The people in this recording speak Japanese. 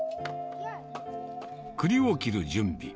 くりを切る準備。